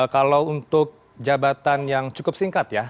kalau untuk jabatan yang cukup singkat ya